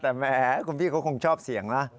แต่แหมคุณพี่เขาคงชอบเสียงนะ